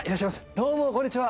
どうもこんにちは。